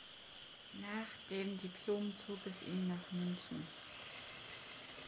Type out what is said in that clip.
Nach dem Diplom zog es ihn nach München.